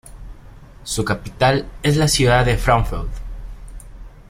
Su capital es la ciudad de Frauenfeld.